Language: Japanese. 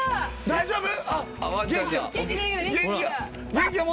大丈夫？